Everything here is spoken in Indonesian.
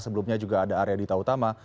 sebelumnya juga ada area di tautama